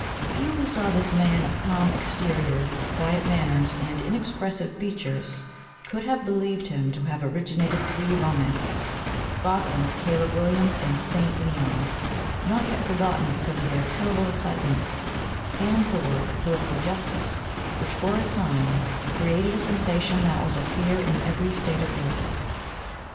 Few who saw this man of calm exterior, quiet manners, and inexpressive features, could have believed him to have originated three romances Falkland, Caleb Williams, and St. Leon, not yet forgotten because of their terrible excitements; and the work, Political Justice, which for a time created a sensation that was a fear in every state of Europe....